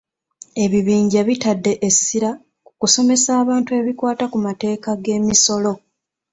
Ebibinja bitadde essira ku kusomesa abantu ebikwata ku mateeka ge'misolo.